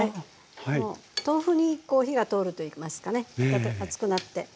豆腐に火が通るといいますかね熱くなって。